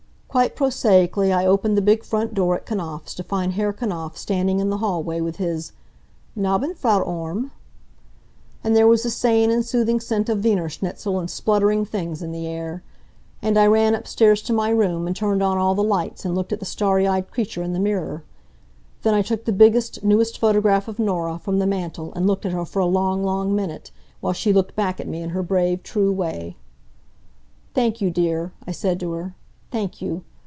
Quite prosaically I opened the big front door at Knapfs' to find Herr Knapf standing in the hallway with his: "Nabben', Frau Orme." And there was the sane and soothing scent of Wienerschnitzel and spluttering things in the air. And I ran upstairs to my room and turned on all the lights and looked at the starry eyed creature in the mirror. Then I took the biggest, newest photograph of Norah from the mantel and looked at her for a long, long minute, while she looked back at me in her brave true way. "Thank you, dear," I said to her. "Thank you.